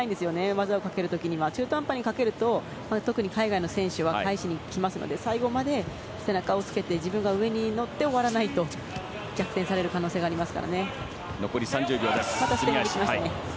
技をかける時に中途半端にかけると特に海外の選手は返しにきますので最後まで背中をつけて自分が上に乗って終わらないと逆転される可能性があります。